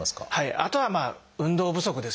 あとは運動不足ですよね。